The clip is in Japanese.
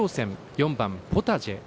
４番ポタジェ。